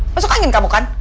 masuk angin kamu kan